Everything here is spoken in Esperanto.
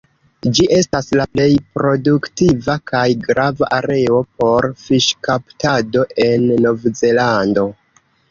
Ĝi estas la plej produktiva kaj grava areo por fiŝkaptado en Novzelando.